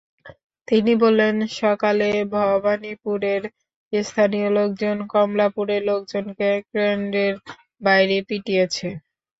তিনি বললেন, সকালে ভবানীপুরের স্থানীয় লোকজন কমলাপুরের লোকজনকে কেন্দ্রের বাইরে পিটিয়েছে।